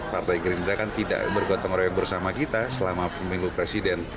partai gerindra kan tidak bergotong royong bersama kita selama pemilu presiden